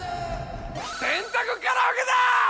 ３択カラオケだ！